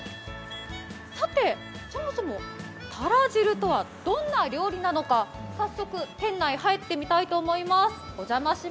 さて、そもそも、たら汁とはどんな料理なのか早速、店内に入ってみたいと思います。